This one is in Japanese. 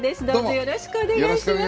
よろしくお願いします。